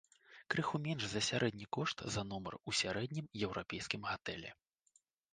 Крыху менш за сярэдні кошт за нумар у сярэднім еўрапейскім гатэлі.